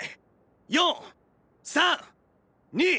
４３２１！